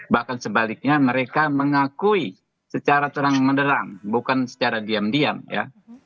bahkan sebaliknya mereka mengakui secara terang menderang bukan secara diam diam ya